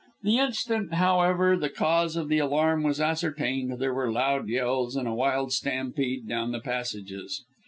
The instant, however, the cause of the alarm was ascertained, there were loud yells, and a wild stampede down the passages.